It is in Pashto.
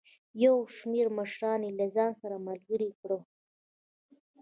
یو شمېر مشران یې له ځان سره ملګري کړي.